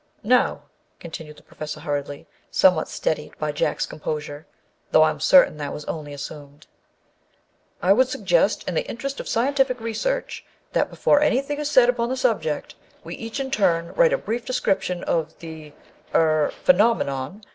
"Now," continued the Professor hurriedly, somewhat steadied by Jack's composure (though I'm certain that was only assumed), "I would suggest, in the interest of scientific research, that before any thing is said upon the subject we each in turn write a brief description of the â er â phenomenon.